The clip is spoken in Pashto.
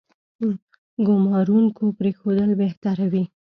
ګومارونکو پرېښودل بهتره وي.